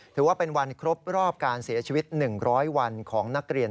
เมื่อวานนี้๒๖